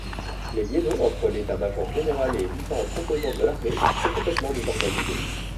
Les liaisons entre l'état-major général et les différentes composantes de l'armée sont complètement désorganisées.